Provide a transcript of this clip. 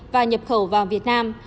và nhập khẩu vào việt nam